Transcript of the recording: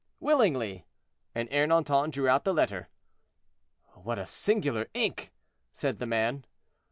"Willingly." And Ernanton drew out the letter. "What singular ink!" said the man.